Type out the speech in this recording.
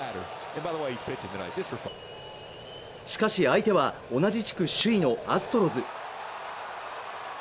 しかし、相手は同じ地区首位のアストロズ。